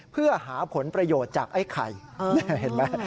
เพื่อหาผลประโยชน์จากไอ้ไข่เห็นไหม